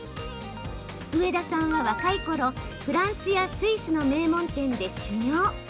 上田さんは若いころフランスやスイスの名門店で修業。